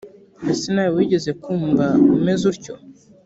ese nawe wigeze kumva umeze utyo